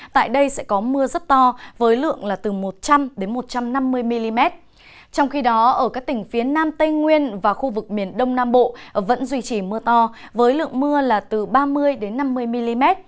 trong khi đó ở các tỉnh phía nam tây nguyên và khu vực miền đông nam bộ vẫn duy trì mưa to với lượng mưa là từ ba mươi năm mươi mm